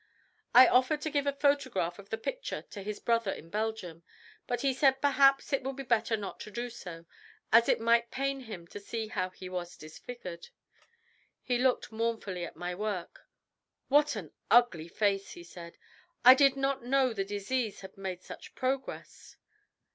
I offered to give a photograph of the picture to his brother in Belgium, but he said perhaps it would be better not to do so, as it might pain him to see how he was disfigured. He looked mournfully at my work. "What an ugly face!" he said; "I did not know the disease had made such progress."